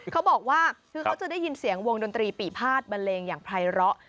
เขาบอกว่าเขาจะได้ยินเสียงวงดนตรีปีภาษบะเลงอย่างพลายเหราะ